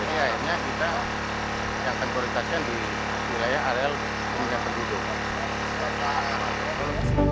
ini akhirnya kita yang kekuritasian di wilayah areal jendulaya